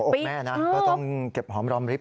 อกแม่นะก็ต้องเก็บหอมรอมริบ